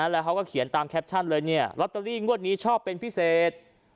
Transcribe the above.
แล้วเขาก็เขียนตามแคปชั่นเลยลอตเตอรี่งวดนี้ชอบเป็นพิเศษ